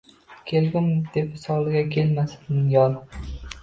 Kelgum, deb visolga kelmasidan yor